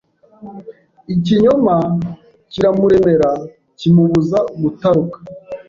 Ikinyoma kiramuremera kimubuza gutaruka